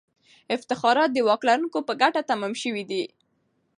افتخارات د واک لرونکو په ګټه تمام سوي دي.